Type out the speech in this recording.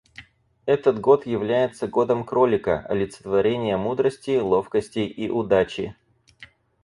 Этот год является годом Кролика — олицетворения мудрости, ловкости и удачи.